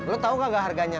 lo tau gak harganya